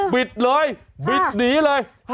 บิดเลยบิดหนีเลย